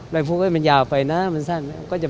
ไม่พูดว่ามันยาวไปนะมันสั้นไปไหม